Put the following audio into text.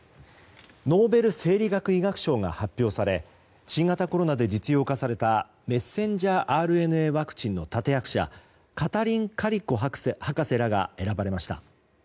ノーベル生理学・医学賞が発表され新型コロナで実用化されたメッセンジャーＲＮＡワクチンの立役者カタリン・カリコ博士らが選ばれました。